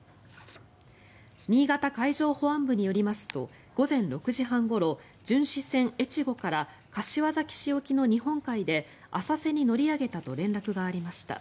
新潟海上保安部によりますと午前６時半ごろ巡視船「えちご」から柏崎市沖の日本海で浅瀬に乗り上げたと連絡がありました。